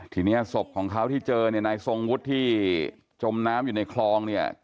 ทีนี้ศพของเขาที่เจอเนี่ยนายทรงวุฒิที่จมน้ำอยู่ในคลองเนี่ย